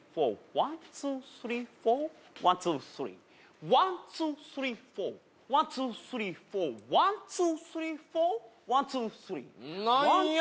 ワンツースリーワンツースリーフォーワンツースリーフォーワンツースリーフォーワンツースリー何や？